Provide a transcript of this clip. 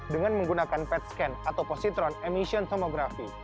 dengan menggunakan pet scan atau positron emission tomografi